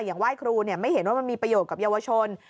ไหว้ครูไม่เห็นว่ามันมีประโยชน์กับเยาวชน